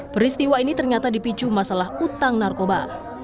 peristiwa ini ternyata dipicu masalah utang narkoba